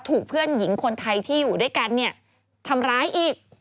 ถูกเพื่อนหญิงคนไทยที่อยู่ด้วยกันเนี่ยทำร้ายอีก